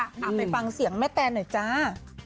ไปฟังเสียงแม่แตนหน่อยจ้า